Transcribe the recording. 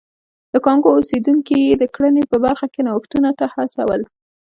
د کانګو اوسېدونکي یې د کرنې په برخه کې نوښتونو ته وهڅول.